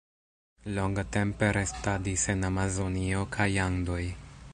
Longtempe restadis en Amazonio kaj Andoj.